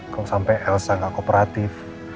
kalau sampai elsa gak kooperatif